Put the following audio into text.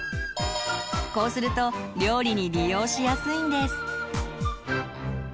こうすると料理に利用しやすいんです。